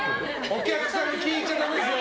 お客さんに聞いちゃダメです！